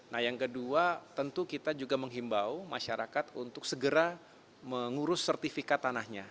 nah yang kedua tentu kita juga menghimbau masyarakat untuk segera mengurus sertifikat tanahnya